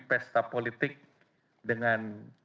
pesta politik dengan